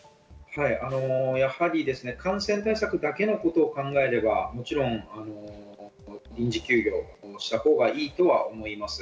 やはり感染対策だけのことを考えれば、もちろん臨時休業したほうがいいと思います。